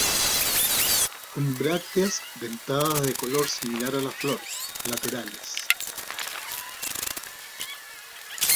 Con brácteas dentadas de color similar a la flor, laterales.